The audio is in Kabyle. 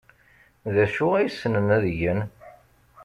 D acu ay ssnen ad gen?